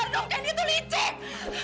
kamu sadar dong gendy itu licik